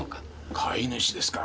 飼い主ですか。